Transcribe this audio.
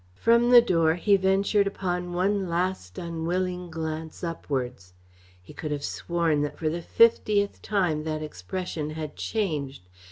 From the door he ventured upon one last unwilling glance upwards. He could have sworn that for the fiftieth time that expression had changed.